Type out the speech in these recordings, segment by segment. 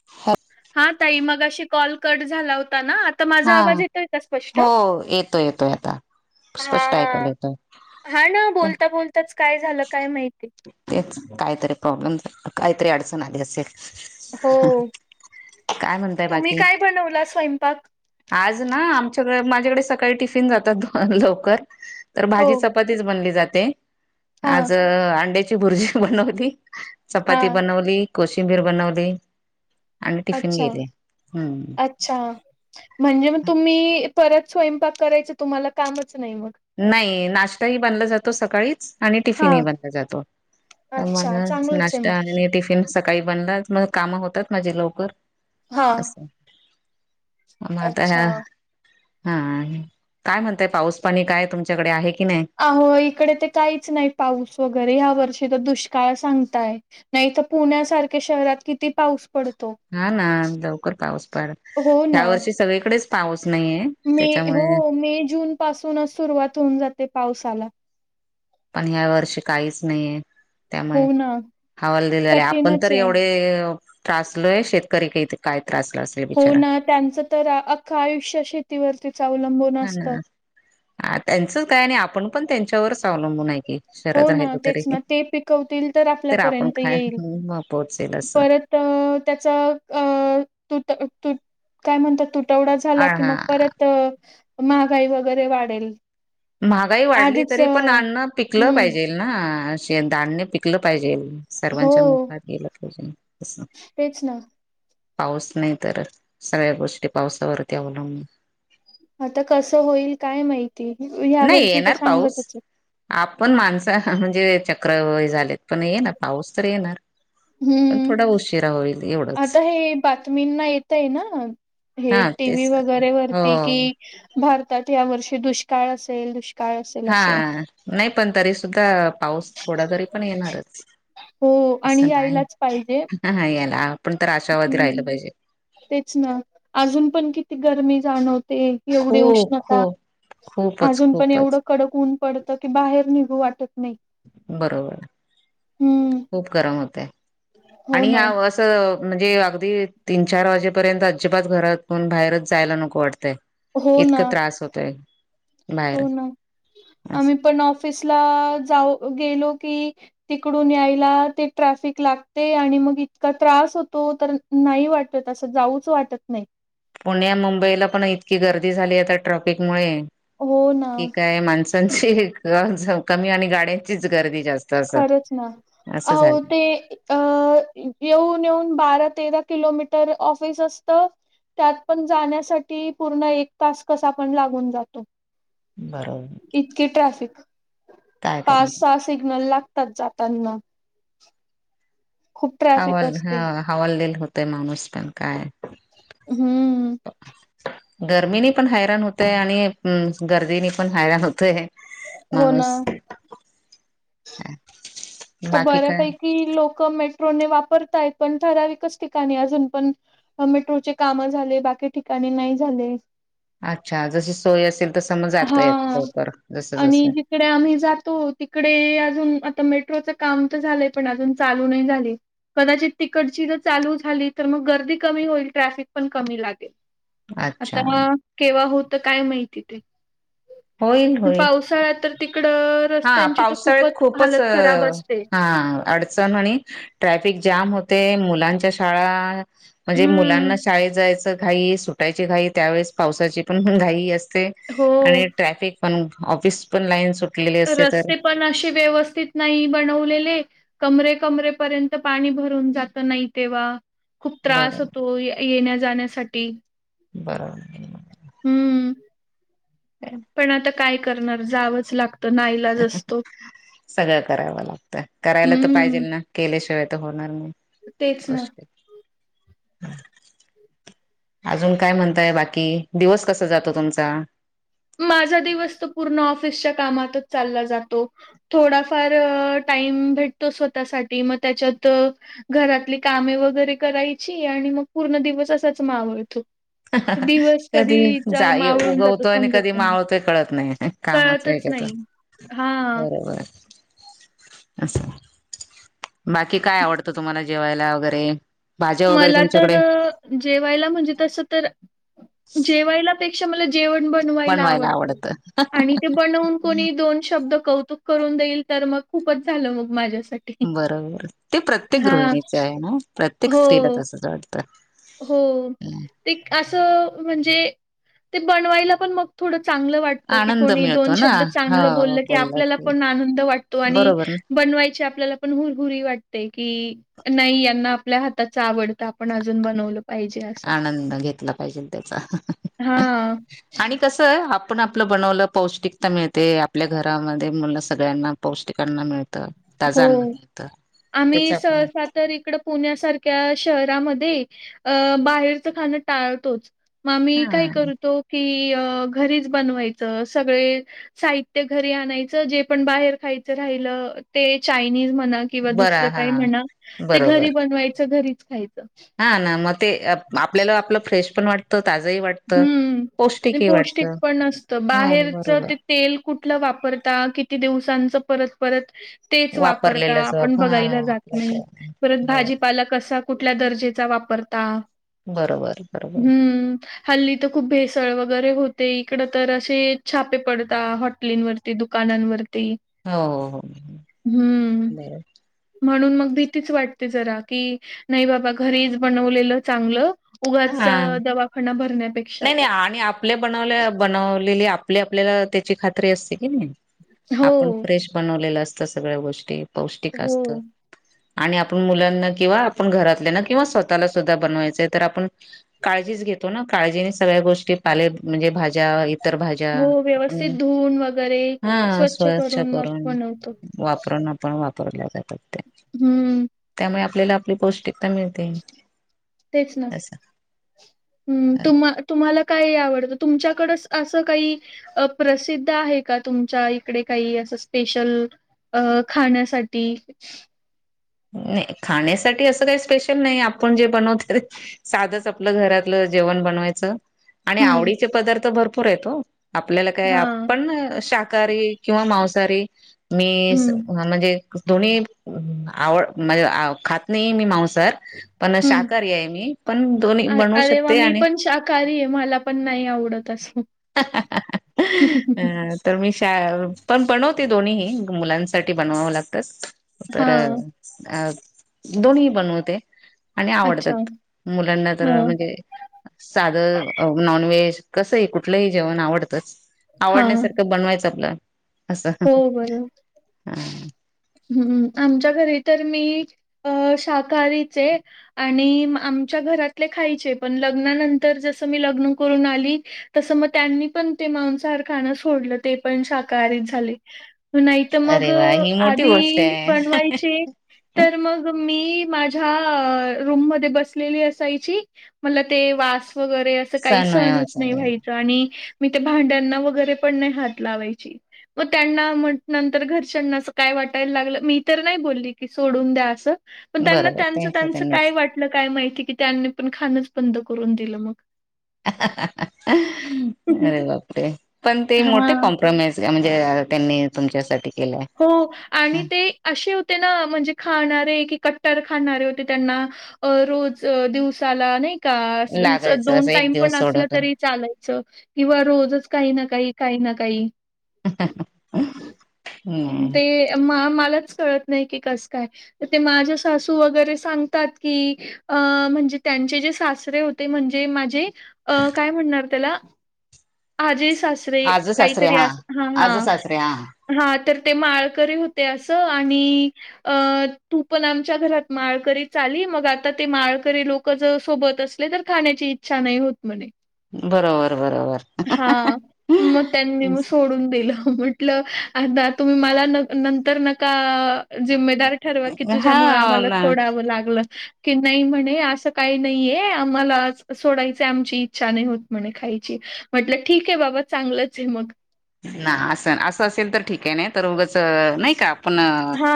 [unintelligible] हा ताई मगाशी कॉल कट झाला होता ना आ त माझा हा आवाज येतोय का स्पष्ट‌ हो येतोय येतोय आता हा स्पष्ट ऐकायला येतोय हा ना काय बोलता बोलताच काय झालं काय माहिती तेच काहीतरी प्रॉब्लेम काहीतरी अडचण आली असेल. हो. काय म्हणताय तुम्ही बाकी काय बनवला स्वयंपाक आज ना आमच्याकडे माझ्याकडे सकाळी टिफिन जातातो लवकर तर हो भाजी चप पतीच बनली जाते हा आज अंड्याची भुर्जी बनवली. हा चपाती बनवली कोशिंबीर बनवली. आणि टिफिन अच्छा गेले हम्म अच्छा म्हणजे मग तुम्ही परत स्वयंपाक करायच तुम्हाला कामच नाही. नाही नाश्ताही बनला जातो सकाळीच आणि हा टिफिनही बनला जातो म अच्छा चांगलंच आहे नाश्ता मग आणि टिफि सकाळी बनलात मग कामं होतात माझे लवकर हा असं मग आता हा अच्छा. हा काय म्हणतय पाऊस पाणी काय तुमच्याकडे आहे की नाही अहो इकडे ते काहीच नाही पाऊस वगैरे ह्या वर्षी तर दुष्काळ सांगताय. नाही त पुण्यासारख्या शहरात किती पाऊस पडतो. हा ना लवकर पाऊस पड हो ह्या ना वर्षी सगळीकडेच पाऊस नाहीये मे हो त्याच्यामुळे मे जून पासूनच सुरुवात होऊन जाते पावसाला आणि ह्या वर्षी काहीच नाहीे. त्यामुळे हो ना हवाल दिल झालेय आपण कठीणच तर आहे एवढे त्रासलोय शेतकरी काय त्रासल असल हो ना त्यांचं तर अख्खं आयुष्य शेतीवरतीच अवलंबून असतं. ना हा त्यांचं काय नाही आपण पण त्यांच्यावर अवलंबून आहे की हो शहरात ना राहिलो तेच तरी ना ते पिकवतील तर आपण आपल्यापर्यंत काय येईल मग पोहोचेल असं परत अ त्याचा अ तु त काय म्हणतात तु तुटवडा आ झाला की हा मग परत महागाई वगैरे वाढेल. महागाई वाढली आधीच अ, तरी पण अन्न पिकलं हम्म पाहिजेल ना असे धान्य पिकलं पाहिजे हो सर्वांच्या मुखात गेलं पाहिजे असं तेच ना पाऊस नाही तर सगळ्या गोष्टी पावसावरती अवलंबून आता कसं होईल काय माहिती या नाही वर्षी तर येणार पाऊस सांगतच आपण माणस म्हणजे चक्र झालेत पण ये ना पाऊस तर येणार हम्म पण थोडा उशीरा होईल. एवढंच आता हे बातमींना येत आहे ना हे हा टी व्ही तेच वगैरे हो वरती कि भारतात या वर्षी दुष्काळ असेल दुष्काळ असेल हा असं नाही पण तरी सुद्धा पाऊस थोडा तरी पण येणारच हो आणि असं नाही यायलाच पाहिजे ह हा येणार आपण तर आशावरती राहिलं हम्म पाहिजे. तेच ना अजून पण किती गरमी जाणवते. एवढी खूप उष्णता खूप खूपच अजून पण एवढं खूपच कडक ऊन पडत की बाहेर निघू वाटत नाही. बरोबर हम्म खूप गरम होतय हो आणि ना हस् म्हणजे अगदी तीन चार वाजेपर्यंत अजिबात घरातून बाहेरच जायला नको वाटतय हो ना इतकं त्रास होतोय. बाहेर हो ना आम्ही असं पण ऑफिसला जाऊ गेलो की तिकडून यायला ते ट्रॅफिक लागते आणि मग इतका त्रास होतो तर नाही वाटत असं जाऊच वाटत नाही. पुण्या मुंबईला पण इतकी गर्दी झाली आता ट्रॅफिक मुळे हो ना कि काय माणस त्यांची कमी आणि गाड्यांचीच गर्दी जास्त. असं खरंच ना असं अ झालं ते अ येऊन येऊन बारा तेरा किलोमीटर ऑफिस असत त्यात पण जाण्यासाठी पूर्ण एक तास कसा पण लागून जातो. बरोबर इतके ट्रॅफिक काय पाच करणार सहा सिग्नल लागतात जाताना. खूप ट्रॅफिक हवाल ह असते हवाललेल होतय माणूस पण काय. हम्म गर्मीनी पण हैराण होतय आणि गर्दीनी पण हैराण होतय. हो मणुस ना ह. तर बऱ्यापैकी लोक मेट्रोने वापरतायत पण ठराविकच ठिकाणी अजून पण मेट्रोचे काम झाले बाकी ठिकाणी नाही झाले. अच्छा जशी सोय असेल तरस मज जातय लवकर जस जसं. तिकडे आम्ही जातो तिकडे अजून आता मेट्रोच काम तर झालंय पण अजून चालू नाही झाली. कदाचित तिकटची तर चालू झाली तर मग गर्दी कमी होईल ट्रॅफिक पण कमी लागेल. अच्छा आता केव्हा होत काय माहिती ते होईल होईल पावसाळ्या तर तिकड हा पावसाळेत खूपच अ असते. हा अडचण म्ह ट्रॅफिक जाम होते मुलांच्या शाळा म्हणजे हम्म. मुलांना शाळेत जायचं घाई सुटायची घाई त्यावेेळेस पावसाची पण घाई असते. हो आणि ट्रॅफिक पण ऑफिस पण लाईन सुट रस्ते पण अे व्यवस्थित नाही बनवलेले कमरे कमरेपर्यंत पाणी भरून जात नाही तेव्हा खूप बरोबर त्रास होतो येण्या जाण्यासाठी. बरोबर हम्म ह पण आता काय करणार जावंच लागतं नाई सगळं करावं लागतं करायला तर हम्म. पाहिजेल ना केल्याशिवाय तर होणार नाही. तेच ना अशे हम अजून काय म्हणताय बाकी दिवस कसा जातो तुमचा. माझा दिवस तर पूर्ण ऑफिसच्या कामातच चालला जातो. थोडाफार टाइम भेटतो स्वतःसाठी मग त्याच्यात घरातली कामे वगैरे करायची आणि मग पूर्ण दिवस असाच मावळतो. दिवस कधी कधीचा जा मावळून जातो उगवतोय आणि समजत कधी पण नाही. मावतोय कळत नाही. कळतच ता नाही. हां. बरोबर. बाकी काय आवडतं तुम्हाला जेवायला वगैरे भाज्या वगैरे मला तर तुमच्याकडे जेवायला म्हणजे तस तर जेवायला पेक्षा मला जेवण ब बनवायला आवडतं आणि ते बनवून कोणी दोन शब्द कौतुक करून देईल तर मग खूपच झालं मग माझ्यासाठी. बरोबर ते प्रत्येक हां. गृहिणीचे आहे ना प्रत्येक हो, स्त्रीला तसच वाटत हो ते असं म्हणजे ते बनवायला पण मग थोडं चांगलं वाटत की आनंद कोणी दोन मिळतो ना शब्द चांगलं हो बोलल की बोलला आपल्याला पण आनंद वाटतो आणि बरोबर ना बनवायची आपल्याला पण हुरहुरी वाटते की नाही यांना आपल्या हाताच आवडत आपण ज बन आनंद घेतला पाहिजे त्याचा हा आणि कसं आहे आपण आपलं बनवलं पौष्टिकता मिळते आपल्या घरामध्ये मु सगळ्यांना पौष्टिकांना मिळतं ताजं अ हो मिळत त्याच आम्ही आपण सहसा तर इकडं पुण्यासारख्या शहरामध्ये अ बाहेरचं खाणं टाळतोच मग आ मी काय हा करतो की घरीच बनवायचं सगळे साहित्य घरी आणायचं जे पण बाहेर खायचं राहिलं ते चायनीज म्हणा किंवा बरा दुसरं हा काही म्हणा ते घरी बरोबर बनवायचं घरीच खायचं हा ना मग ते आपल्याला आपलं फ्रेश पण वाटतं ताजंही वाटत हम्म आणि पौष्टिक पण नसतं हा बाहेरच बरोबर त तेल कुठलं वापरता किती दिवसांच परत परत तेच वापरता वापरलेलंच हा आपण बघायला जात आपलं नाही काय परत बरोबर भाजीपाला कसा कुठल्या दर्जेचा वापरता त बरोबर बरोबर हल्ली तर खूप भेसळ वगैरे होते इकडं तर असे छापे पडतात हॉटलींवरती दुकानांवरती हो हो हो हम्म. म्हणून मग भीतीच वाटते जरा की नाही बाबा घरीच बनवलेलं चांगलं उगाचा हा दवाखाना भरण्यापैकी नाही नाही आणि आपल्या बनवल्या बनवलेली आपली आपल्याला त्याची खात्री असते की नाही आपण हो. फ्रेश बनवलेलं असतं सगळ्या गोष्टी पौष्टिक असत हो. आणि आपण मुलांना किंवा आपण घरातल्या ना किंवा स्वतःला सुद्धा बनवायचंय तर आपण काळजीच घेतो ना काळजीने सगळ्या गोष्टी पाले म्हणजे भाज्या इतरभज्या हो आपण व्यवस्थित धुवून वगैरे हा स्वच्छ करून वापरण पण वापरल्या जातात हम्म त्यामुळे आपल्याला आपली पौष्टिकता मिळते तेच ना असं. हम् तुम तुम्हाला काय आवडत तुमच्याकडच असं काही अ प्रसिद्ध आहे का तुमच्या इकडे काही असं स्पेशल अ खाण्यासाठी नाही खाण्यासाठी असं काही स्पेशल नाही आपण जे बनवत साधच आपलं घरातलं जेवण बनवायचं आणि हम्म आवडीचे पदार्थ भरपूर आहेत हो आपल्याला काय हा आपण शाकाहारी किंवा मांसाहारी मी हम्म म्हणजे दो्ही आवड म्हणजे खात नाही मी मांसर पण हम्म. शाकाहारी आहे मी पण दोन्ही बनवू शकते आणि का आहे मला पण नाही आवडत अस अ तर मी श पण बनवते दोन्ही मुलांसाठी बनवावं लागतं तर हा अ दोन्ही बनवते आणि अच्छा आवडतात मुलांना तर हा. म्हणजे साधं नॉनव्हेज कसही कुठलंही जेवण आवडतंच हा आवडण्यासारखं बनवायचं आपलं असं हा हम्मम आमच्या घरी तर मी अ शाकाहारीचे आणि आमच्या घरातले खायचे पण लग्नानंतर जसं मी लग्न करून आली तसं मग त्यांनी पण ते मांसाहार खाणं सोडलं ते पण शाकाहारीत झाले नाही तर मग अरे वा ही मोठी आधी गोष्ट आहे. बनवायचे तर मग मी माझ्या रूम मध्ये बसलेली असायची मला ते वास वगैरे असं काही सण सणच वाचा, नाही आणि मी ते भांड्यांना वगैरे पण नाही हात लावायची मग त्यांना म्हट नंतर घरच्यांनां काय वाटायला लागलं मी तर नाही बोलली की सोडून द्या असं पण त्यांना बरोबर त्यांच त्यांच्या त्यांच त्यांनीच काय वाटलं काय माहिती की त्यांनी पण खाणच बंद करून दिलं मग अरे बापर पण ते हं, हं. मोठे हां. क प्रमेश म्हणजे त्यांनी तुमच्यासाठी केलं हो आणि ते असे होते ना म्हणजे खाणारे की कट्टर खाणारे होते त्यांना रोज दिवसाला नाही का लागायचं दोन असं एक टाईम पण दिवस सोडून असल तर तरी चालायचं किंवा रोजच काही ना काही काही ना काही ह ह ह ते मलाच कळत नाही की कस काय तर ते माझ्या सासू वगैरे सांगतात की अ म्हणजे त्यांचे जे सासरे होते म्हणजे माझे अ काय म्हणणार त्याला आजे सासरे आजू सासरे काहीतरी अस हा हा आजू सासरे हा हा तर ते माळकरी होते असं आणि अ तू पण आमच्या घरात माळकरी चाली मग आता ते माळकरी लोक ल जर सोबत असले तर खाण्याची इच्छा नाही होत म्हणे बरोबर बरोबर हा मग त्यांनी मग सोडून दिलं म्हटलं आता तुम्ही मला न नंतर नका जिम्मेदार ठरवा की हा तुझ्यामुळेळ आम्हाला ना सोडावं लागलं की नाही म्हणे असं काही नाहीये आम्हाला सोडायच आमची इच्छा नाही होत म्हणे खायची म्हटलं ठीक आहे बाबा चांगलंच आहे मग ना असं असं असेल तर ठीक आहे नाही तर उगंच नाही का आपण हा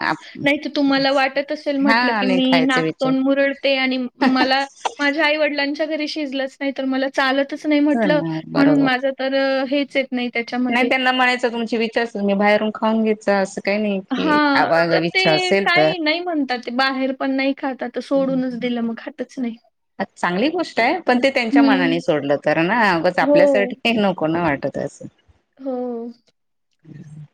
आप- नाही तर तुम्हाला वाटत असेल हा म्हटलं की आणि मी खायचा विचार नागतोड मुरडते आणि मला माझ्या आई वडिलांच्या घरी शिजलंच नाही तर मला चालतच नाही हो म्हटलं ना म्हणून बरोबर माझ तर हेच नाही नाही त्याच्यामध्ये. त्यांना म्हणायचं तुमचे विचारल मी बाहेरून खाऊन घ्यायचा असं काही नाही हा की आवा तर ते विच्छा असेल काही तर नाही म्हणतात ते बाहेर पण नाही खात तर सोडूनच दिलं मग खात तेच नाही चांगली गोष्ट आहे पण ते त्यांच्या हं. मनाने सोडलं तर ना ऊगच हो, आपल्यासाठी काही नको ना वाटत असं हो हम्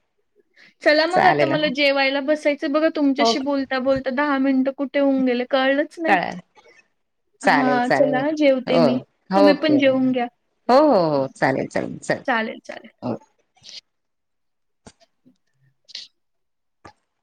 चला मग आता मला जेवायला बसायचं बघा हो तुमच्याशी बोल बोलता बोलता दहा मिनिटं कुठे होऊन गेले कळलं कळेल चालेल चालेल चला जेवते मी. तुम्ही ओके पण हो जेवून घ्या. हो हो चालेल चालेल चालेल चालेल चालेल हो